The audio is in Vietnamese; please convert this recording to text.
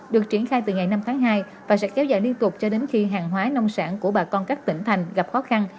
được triển khai từ ngày năm tháng hai và sẽ kéo dài liên tục cho đến khi hàng hóa nông sản của bà con các tỉnh thành gặp khó khăn